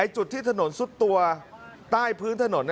จุดที่ถนนซุดตัวใต้พื้นถนน